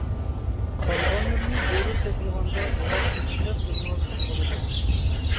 قالغانلىرىنى زۆرۈر تېپىلغاندا لۇغەتتىن ئىزدەپ ئۆگىنىۋالساق بولىدۇ.